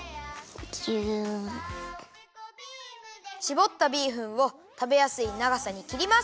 しぼったビーフンをたべやすいながさにきります。